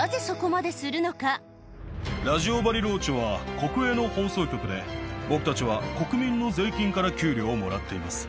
ラジオ・バリローチェは国営の放送局で、僕たちは国民の税金から給料をもらっています。